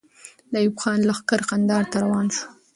د ایوب خان لښکر کندهار ته روان سو.